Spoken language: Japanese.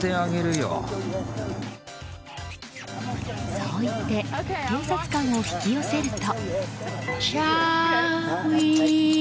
そう言って警察官を引き寄せると。